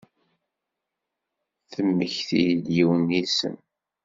Temmekti-d yiwen n yisem.